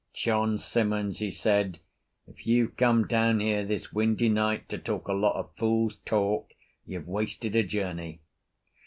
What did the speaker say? "John Simmons," he said, "if you've come down here this windy night to talk a lot of fool's talk, you've wasted a journey."